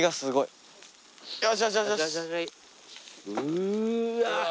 うわ。